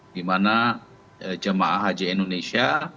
dimana jemaah haji indonesia